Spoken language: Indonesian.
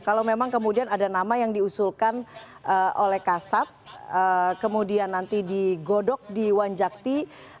kalau memang kemudian ada nama yang diusulkan oleh kasat kemudian nanti digodok di wanjakti